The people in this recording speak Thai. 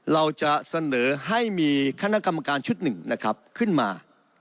เราจะเสนอให้มีคณะกรรมการชุดหนึ่งนะครับขึ้นมา